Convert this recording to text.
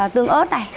tương ớt này